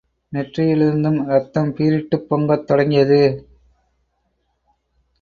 நெற்றியிலிருந்தும் ரத்தம் பீரிட்டுப் பொங்கத் தொடங்கியது.